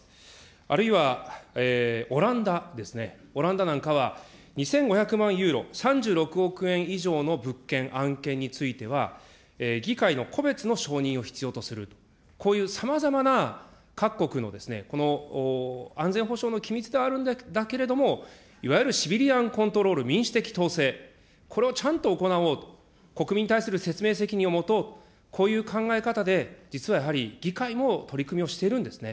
あるいはオランダですね、オランダなんかは２５００万ユーロ、３６億円以上の物件、案件については、議会の個別の承認を必要とする、こういうさまざまな各国の安全保障の機密であるんだけれども、いわゆるシビリアンコントロール、民主的統制、これをちゃんと行おうと、国民に対する説明責任を持とう、こういう考え方で実はやはり議会も取り組みをしているんですね。